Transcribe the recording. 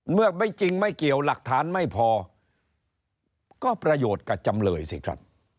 เมื่อไม่จริงไม่เกี่ยวหลักฐานไม่พอก็ประโยชน์กับจำเลยสิครับ